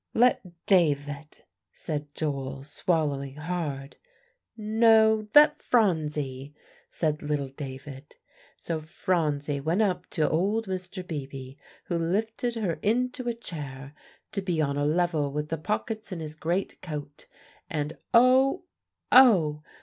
"Let David," said Joel, swallowing hard. "No, let Phronsie," said little David. So Phronsie went up to old Mr. Beebe, who lifted her into a chair, to be on a level with the pockets in his great coat, and oh, oh!